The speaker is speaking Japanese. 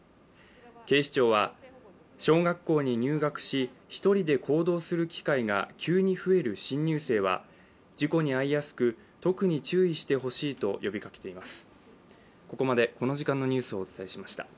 警視庁は小学校に入学し１人で行動する機会が急に増える新入生は事故に遭いやすく、特に注意してほしいと呼びかけています。